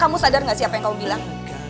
kamu sadar gak sih apa yang kamu bilang